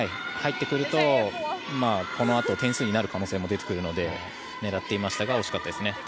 入ってくると、このあと点数になる可能性も出てくるので狙いましたが惜しかったですね。